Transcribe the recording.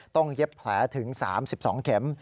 เย็บแผลถึง๓๒เข็ม